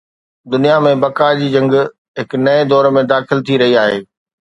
دنيا ۾ بقا جي جنگ هڪ نئين دور ۾ داخل ٿي رهي آهي.